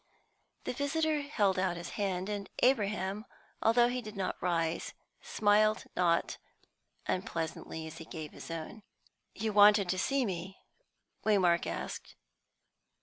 The visitor held out his hand, and Abraham, though he did not rise, smiled not unpleasantly as he gave his own. "You wanted to see me?" Waymark asked.